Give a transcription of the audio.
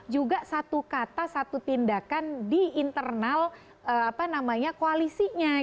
juga satu kata satu tindakan di internal koalisinya